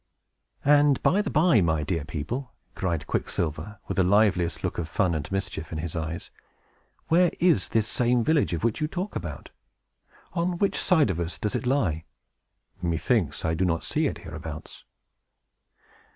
"And, by the by, my dear old people," cried Quicksilver, with the liveliest look of fun and mischief in his eyes, "where is this same village that you talk about? On which side of us does it lie? Methinks I do not see it hereabouts."